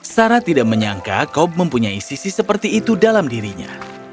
sarah tidak menyangka cop mempunyai sisi seperti itu dalam dirinya